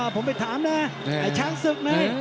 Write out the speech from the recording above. ผมไปถามนะไอ้ช้างศึกเลย